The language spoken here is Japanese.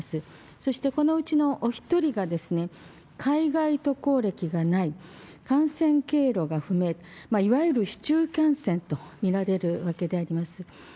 そしてこのうちのお１人が、海外渡航歴がない、感染経路が不明、いわゆる市中感染と見られるわけであります。